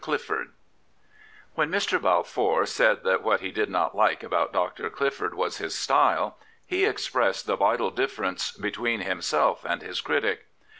CLIFFORD When Mr. Balfour said that what he did not like about Dr. Clifford was his " style/' he expressed the vital difference between himself and his critic.